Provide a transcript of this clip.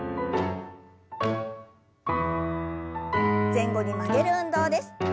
前後に曲げる運動です。